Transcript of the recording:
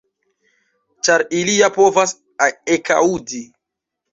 Ĉar ili ja povas ekaŭdi.